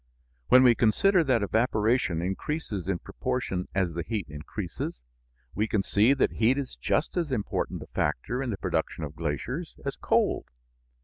When we consider that evaporation increases in proportion as the heat increases, we can see that heat is just as important a factor in the production of glaciers as cold.